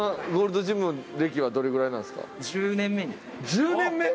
１０年目に。